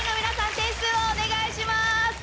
点数をお願いします。